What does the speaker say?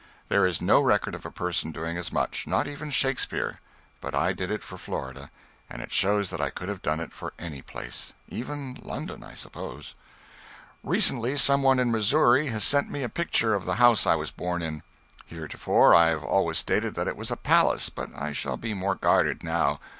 There is no record of a person doing as much not even Shakespeare. But I did it for Florida, and it shows that I could have done it for any place even London, I suppose. Recently some one in Missouri has sent me a picture of the house I was born in. Heretofore I have always stated that it was a palace, but I shall be more guarded, now.